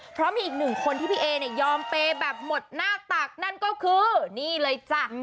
เพราะมีอีกหนึ่งคนที่พี่เอเนี่ยยอมเปย์แบบหมดหน้าตักนั่นก็คือนี่เลยจ้ะ